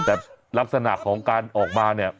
แบบรักษณะของการออกมา